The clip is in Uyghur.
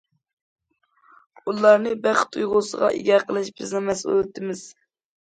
ئۇلارنى بەخت تۇيغۇسىغا ئىگە قىلىش بىزنىڭ مەسئۇلىيىتىمىز.